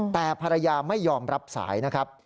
แต่ภรรยาไม่ยอมรับสายนะครับ